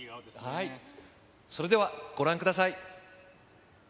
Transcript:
はい、それではご覧ください。